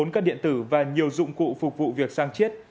bốn cân điện tử và nhiều dụng cụ phục vụ việc sang chiết